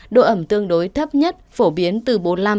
độ ẩm tương đối thấp nhất phổ biến từ bốn mươi năm năm mươi năm